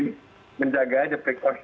tapi benar juga ya